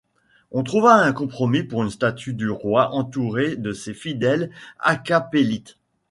On trouva un compromis pour une statue du roi entouré de ses fidèles hakkapélites.